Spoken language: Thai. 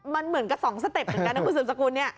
มันเหมือนกับ๒สเต็ปเหมือนกันนะคุณสุดสกุลเนี่ย